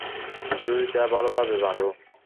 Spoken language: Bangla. ঝুড়িটা ভালোভাবে বাঁধো।